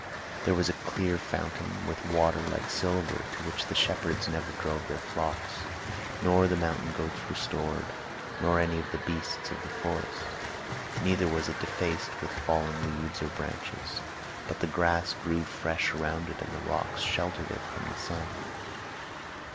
There was a clear fountain, with water like silver, to which the shepherds never drove their flocks, nor the mountain goats resorted, nor any of the beasts of the forest; neither was it defaced with fallen leaves or branches; but the grass grew fresh around it, and the rocks sheltered it from the sun.